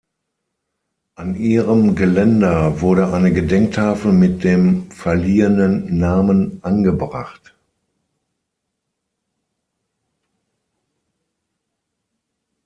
An ihrem Geländer wurde eine Gedenktafel mit dem verliehenen Namen angebracht.